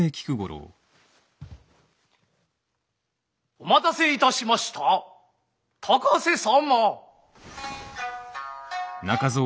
「お待たせいたしました高瀬様」。